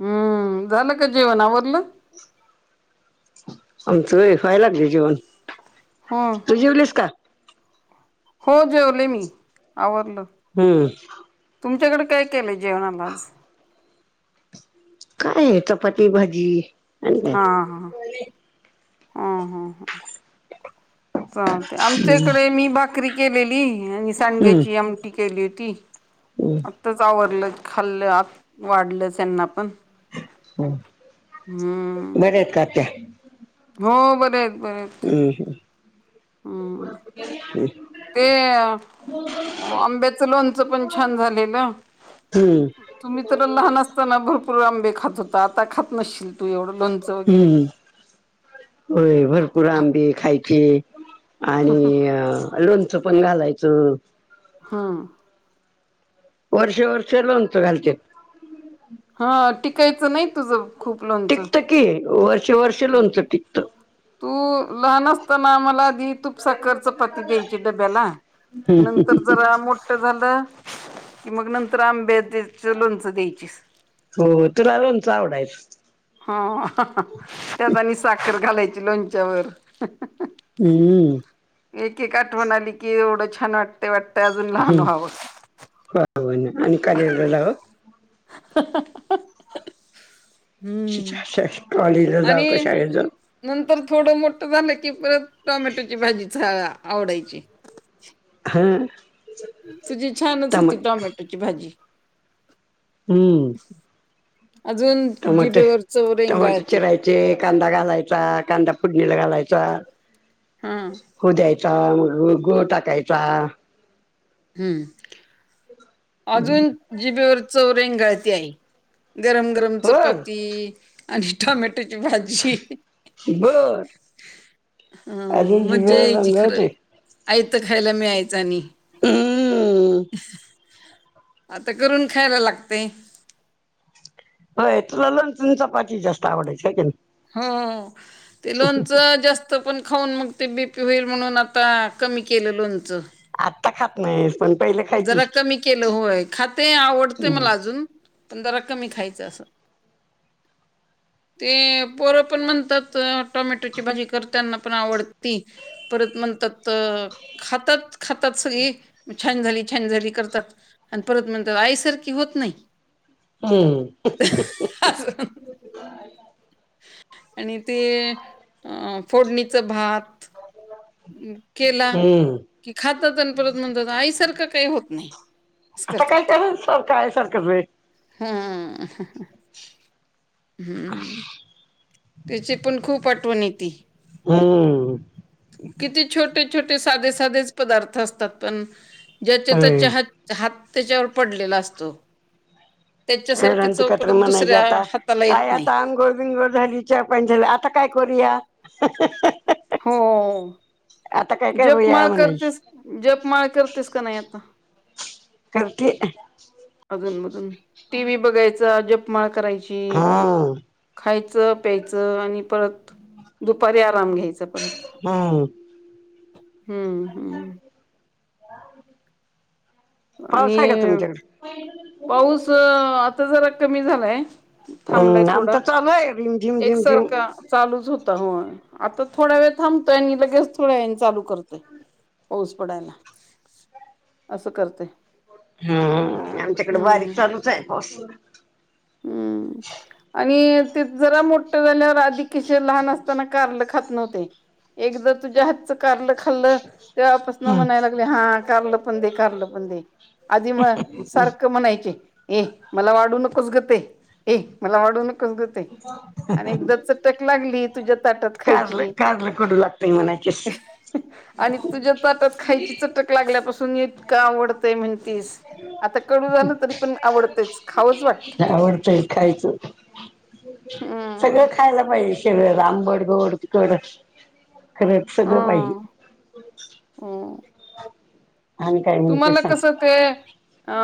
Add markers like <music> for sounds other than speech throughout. हम्म झालं का जेवणावरल. आम तू व्हाय लागली जेवण हो तू जेवलीस का. हो जेवले मी आवरडलो हम्म तुमच्याकडे काय केलंय जेवणाला आज काय आहे चपाटी भाजी आणि काय हा हा हा हा हा हा च ते आमच्या इकडे मी भाकरी केलेली आणि हम्म सांडग्याची आमटी केली होती हम्म आत्ताच आवरलं खाल्लं आ वाढलं त्यांना पण हम् हम्म बरेत कात्या हो बरच हम् हम हम्म हम् ते आंब्याचं लोणचं पण छान झालेलं हम्म तुम्ही तर लहान असताना भरपूर आंबे खात होता आता खात नशील तू एवढं लोणचं वगैरे हम्म होय भरपूर आमबी खायची आणि अ लोणचं पण घालायचं हा वर्ष वर्षे लोणचे घालत्यात हा टिकायचं नाही तुझं खूप लोणचं. टिकतं की वर्ष वर्ष लोनचं टिकत तू लहान असतानामला दि तूप साखर चपाती द्यायची डब्याला नंतर जरा मोठ झालं कि मग नंतर आंब्यात्याच लोणचं द्यायचीस हो तुला लोनच आवडायच हो हो हंहह त्यात आणि साखर घालायची लोणच्यावर हम्म एक एक आठवण आली की एवढं छान वाटतय वाटतय अजून लहान हम्म. व्हावं हो आणि कालेजला जाव हहहहहह <unintelligible> कॉलेजला जाऊ का शाळेत जाऊ तर थोडं मोठ झालं की परत टोमॅटोची भाजीच आवडायची हम् तुझी छानच होती टॉमॅटोची भाजी हम्म अजून टमाटर जिभेवर चव टमाट रेंगाळती. चिरायचे कांदा घालायचा कांदा फोडणीला घालायचा हा हो द्यायचा गु गुळ टाकायचा हम् अजून जिबेवर चव रेंगाळती आहे गरम गरम बर चपाती आणि टोमॅटो त्याची भाजी बर अजून हम मज्जा जिभेवर यायची खरं रंगते आयत खायला मिळायच आणि हम्म आता करून खायला लागतयं होय तुला लोनच न चपाची जास्त आवडायची होय कणी हो ते लोनच जास्त पण खाऊन मग ते बीपी होईल म्हणून आता कमी केलं लोणचं आत्ता खात नाही जरा कमी केलं होय खाते आवडतय हम्म मला अजून पण जरा कमी खायचं असं <unintelligible> ते पोरं पण म्हणतात टोमॅटोची भाजी करताना पण आवडती परत म्हणतात खातात खातात सगळी मचे छान झाली छान झाली करतात आणि परत म्हणतात आईसारखी होत नाही हम्म हंहंहं असं आणि ते अ फोडणीचं भात केला हम्म कि खातात अण परत म्हणतात आईसारखं काही होत नाही असं आता काय करतात. कराल सारखं आय सारखंच होय हंहहह <unintelligible> हम्म तिची पण खूप आठवण येती हम् किती छोटे छोटे साधे साधेच पदार्थ असतात पण ज्याच्या होय त्याच्या हत हात त्याच्यावर पडलेला असतो हे त्याच्यासारखी रंती चव कायतर परत म्हणायची दुसऱ्या आता हाताला येत आय नाही. आता अंंगोळ बिंगोळ झाली चहा पाणी झालं आता काय करूया आता काय जप करूया माळ म्हणायची करतेस जप माळ करतेस का नाही आता करते अधूनमधून टी व्ही बघायचा जपमाळ करायची हा खायचं प्यायचं आणि परत दुपारी आराम घ्यायचं परत हम हम्म हम्म ह <unintelligible> आणि पाऊस आता जरा कमी झालाय थांबलाय हम्म थोडा आमचा चालू आहे रिम झिम झिम झिम एकसारखा चालूचं होता होय आत्ता थोडा वेळ थांबतोय आणि लगेच थोड्या वेळाने चालू करतोय. पाऊस पडायला असं करत हम्म आमच्याकडे बारीक हम्म चालूचं आहे पाऊस. हम्म आणि ते जरा मोठ्ठ झाल्यावर आधी कशी लहान असताना कारल खात नव्हते एकदा तुझ्या हातचं कारल खाल्लं तेव्हापासन म्हणायला लागले हा कारलं पण दे. कारलं पण दे आधी म सारखं म्हणायचे ए मला वाढू नकोस गं ते, ए मला वाढू नको <unintelligible> ते आणि एकदा चटक लागली, तुझ्या ताटात कारलं खायची कारलं <unintelligible> आणि तुझ्या ताटात खायची चटक लागल्यापासून इतकं, आवडतंय म्हणती, स आता कडू झालं तरी पण आवडतंयच, खावंच वाटतंय. खायचं खायचं सगळं हम्म खायला पाहिजे, <unintelligible> आंबट, गोड, तिखट खरं सगळं पाहिजे, हम्म हम्म <unintelligible> म्हणते तुम्हाला सांग कसं ते अ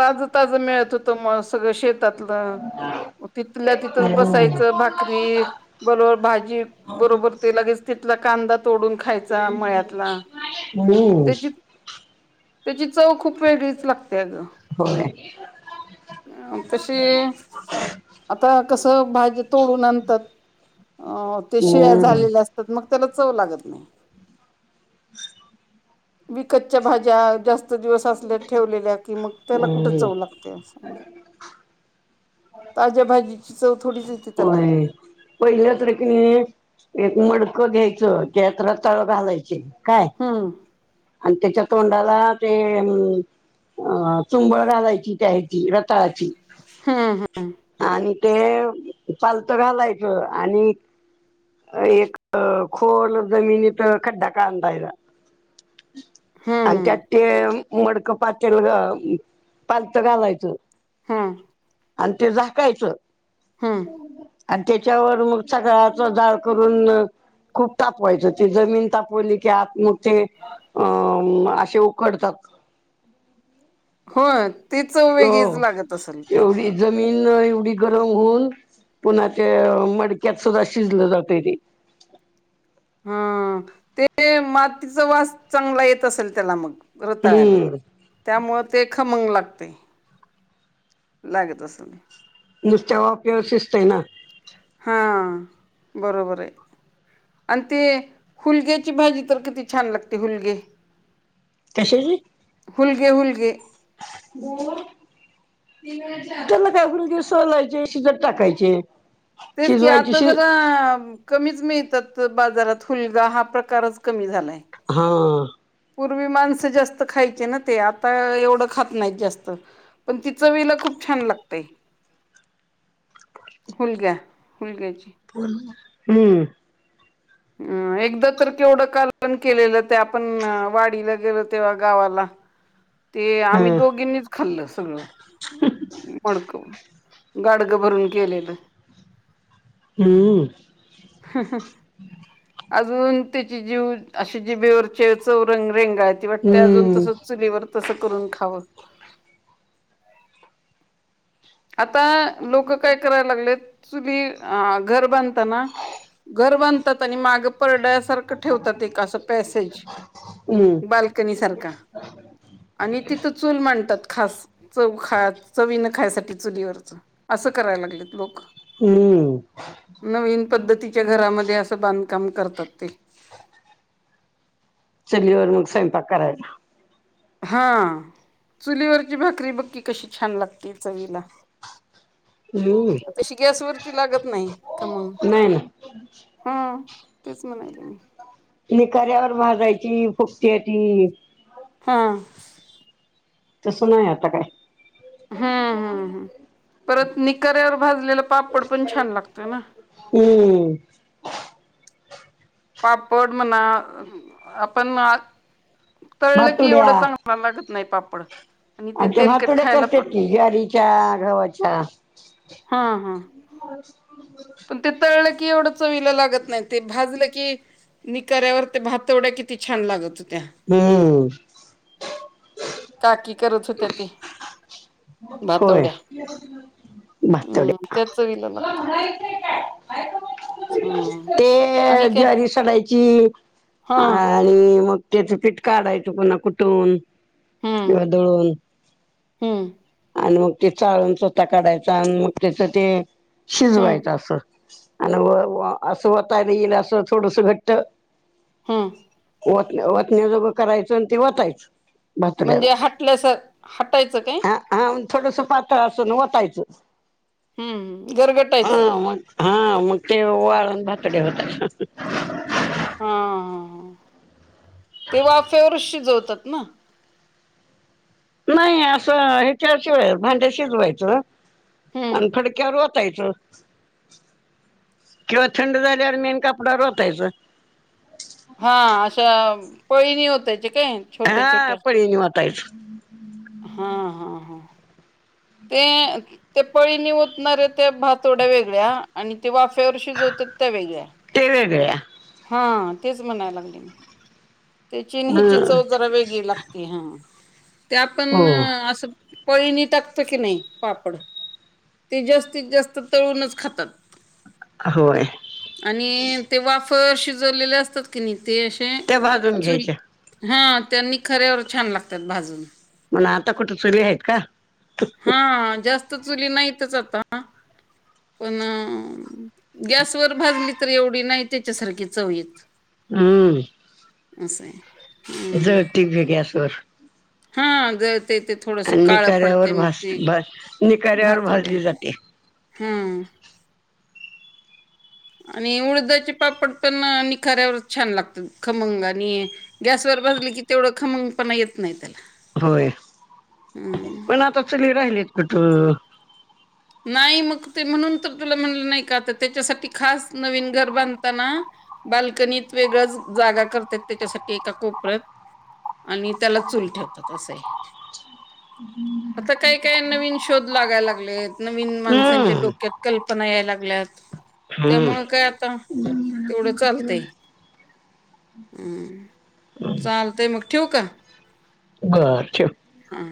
ताजं ताजं मिळत होत म, सगळं शेतातलं. तिथल्या तिथचं हम्म बसायचं, भाकरी एक बरोबर भाजी बरोबर ते लगेच तिथला कांदा, तोडून खायचा मळ्यातला. हम्म त्याची त्याची चव खूप वेगळीच लागते, होय. अ तशी आता कसं भाज्या तोडून आणतात अ ते शिळ्या हम्म झालेल्या असतात मग त्याला चव लागत नाही. <unintelligible> विकतच्या भाज्या जास्त च दिवस असल्यात ठेवलेल्या कि मग त्याला कुठे हम्म चव लागते अस पण आहे ताज्या भाजीची चव, थोडीचं येते त्याला पहिल्या तरी कनी एक मडकं, घ्यायचं त्यात रताळं घालायची. काय हम्म आणि त्याच्या, तोंडाला ते अं अ चुंबळ घालायची, त्या ह्यची रताळाची, हा हा, आणि ते चालतं घालायचं आणि <unintelligible> एक खोल जमिनीत खड्डा कांडायचा, आणि हम्म त्यात ते मडकं पातेल, अं पालत घालायचं. हा, आणि ते झाकायचं, <unintelligible> आणि त्याच्यावर मग सगळाचं जाळ करून, खूप तापवायचं ते जमीन तापवली की आत मग ते, अम असे उकडतात. होय ते, चव हो वेगळीच हो लागत असेल ते एवढी जमीन, एवढी गरम होऊन, पुन्हा त्या मडक्यातसुद्धा शिजलं जातंय ते, <inaudible> हा ते मातीचा वास चांगला येत असेल त्याला मग? रताळ्याला, हम्म त्यामुळं ते खमंग लागतंय. लागत असलं म, नुसत्या वाफेवर शिस्तय ना. हां, बरोबर आहे. आणि ते हुलग्याची भाजी तर किती छान लागते, हुलगे. कशाची? हुलगे, हुलगे. त्याला काय हूलगे सोलायचे, शिजत टाकायचे. तेच की शिजवायचे आता शि जरा कमीच मि तात बाजारात हूलगा हा, प्रकारच कमी झालाय. हां. पूर्वी माणसं जास्त खायचे ना ते आता एवढं खात नाहीत जास्त. पण, ति चविला खूप छान लागते. <inaudible> हुलग्या हुलग्याची हम्म. अ एकदा तर केवढं कालवण केलेलं ते आपण वाडीला गेलो तेव्हा गावाला. ते हा आम्ही दोघीनीच खाल्लं सगळं, मडकव गाडग भरून केलेलं. हम्म. अजून त्याची जीव अशी जिभेवर चे चौ रंग रेंगाळती वाटते अजून हम्म तस चुलीवर तस करून खावं. <inaudible> आता लोक काय करायला लागलेत चुली अ घर बांधताना घर बांधतात आणि मागे परड्यात सारखं ठेवतात एक अस पॅसेज, हम्म बाल्कनी सारखा. आणि तिथं चूल मांडतात. खास च खा चवीन खायसाठी चुलीवरच, असं करायला लागलेत लोकं. हम्म नवीन पद्धतीच्या घरामध्ये अस काम करतात ते. <unintelligible> चुलीवर मंग स्वयंपाक करायचा. हां, चुलीवरची भाकरी बक्की कशी छान लागती चवीला. हम्म तशी गॅसवरची लागत नाही खमंग. नाही ना हां, तेच म्हणायले मी. निकाऱ्यावर भाजायची फुगत्याती. हां. तसं नाही आता काय. हां, हां, हां. परत निकाऱ्यावर भाजलेला पापड पण छान लागतोय ना. हम्. पापड म्हणा, आपण तळलं की भातुड्या एवढं चांगला लागत नाही पापड. आणि ते आमच्या तेलकट भातोड्या खायला करत्यात पण की ज्वारीच्या, गव्हाच्या, हां, हां. पण ते तळल की एवढ चवीला लागत नाही ते भाजलं की निकाऱ्यावर ते भातवड्या किती छान लागत. होत्या हम्म. काकी करत होत्या ते. होय भातोड्या. हम्. भातुड्या त्या चविला लागतात. हम्म <inaudible> ते आणि काय ज्वारी सडायची, हा आणि मग त्याचा पिट काढायचं पुन्हा कुठून किंवा दळून. हम्. आणि मग ते चाळून स्वतः काढायचा आणि मग त्याचं ते हम्म शिजवायचं असं. अ असं होताईल असं थोडस घट्ट - - हम. व वतण्याजोगं करायचं आणि ते वतायच. म्हणजे हटल्याच हटायचं काय? हा हा थोडस पातळ असून वतायचं. हम्म घरगटायचं. हा मग हा मग ते वाळून भातडे होतात. हा, हा. ते वाफेवरचं शिजवतात ना? नाही असं हेच्याळ शिवाय भांड्या शिजवायचं हम्म. आणि फडक्यावर वंत. किंवा थंड झाल्यावर मेन कपडा होतायच. हा अशा पळीणी होतायचे काय छोट्या हा छोट्या. पळीने वतायचं हा हा हा. ते ते पळीनी ओतणारे त्या भातोड्या वेगळ्या आणि तेिं वाफेवर शिजवता ते वेगळया. ते वेगळ्या हा तेच म्हणायला लागली मी ते चिनहेची चव ह जरा वेगळी लागते हा. त्या पण हो असं पळीणी टाकतो की नाही पापड. ते जास्तीत जास्त तळूनच खातात. होय आणि ते वाफ शिजवलेले असतात की नई ते असे त्या भाजून चुल घ्यायच्या. हा त्यांनी खऱ्यावर छान लागतात भाजून म कुठ चुली आहेत का हा जास्त चुली नाहीतच आता. पण गॅसवरर भाजली तर एवढी नाही त्याच्यासारखी चवी येत. हम्म. असंय. जळती भे गॅसवर. हा. ते थोडस आणि काळ पडत निकाऱ्यावर मग भास त भास निकाऱ्यावर भातोड्या भाजली जाते हम्म. आणि उळदाचे पापड पण निखाऱ्यावर छान लागत खमंग आणि गॅसवर. भाजली की तेवढं खमंग पणा येत नाही त्याला. होय हम्म पण आता चूली राहिलीत कुठ नाही मग ते म्हणून तर तुला म्हणलं नाही काता त्याच्यासाठी खास नवीन घर बांधताना. बाल्कनीत वेगळच जागा करतात त्याच्यासाठी एका कोपऱ्यात. आणि त्याला चूल ठेवतात असं आहे आता काही काय नवीन शोध लागायला लागलेत. नवीन माणसांच्या हम्म डोक्यात कल्पना याय लागल्यात हम्म त्यामुळ काय आता तेवढं चाल हम् चालतयं मग ठेवू का बर ठेव. हं